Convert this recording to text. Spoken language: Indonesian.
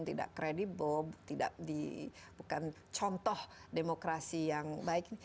tidak kredibel bukan contoh demokrasi yang baik